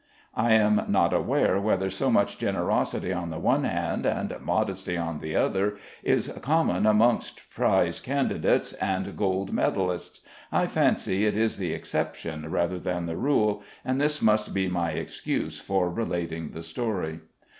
I am not aware whether so much generosity on the one hand, and modesty on the other, is common amongst prize candidates and gold medallists. I fancy it is the exception rather than the rule, and this must be my excuse for relating the story.